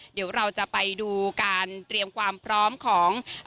เดี๋ยวเราจะไปดูการเตรียมความพร้อมของ